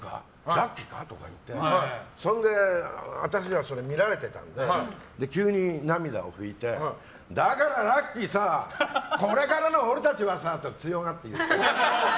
ラッキィか？って言って私ら、それ見られてたんで急に涙拭いてだからラッキィさこれからの僕たちはさって強がって言ってた。